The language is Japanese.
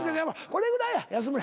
これぐらいや安村。